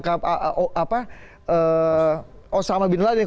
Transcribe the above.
tapi dia menangkan dengan cara yang sama